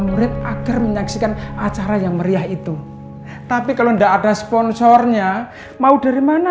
murid agar menyaksikan acara yang meriah itu tapi kalau enggak ada sponsornya mau dari mana